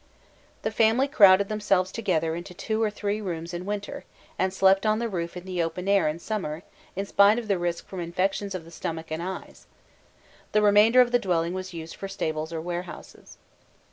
The family crowded themselves together into two or three rooms in winter, and slept on the roof in the open air in summer, in spite of risk from affections of the stomach and eyes; the remainder of the dwelling was used for stables or warehouses.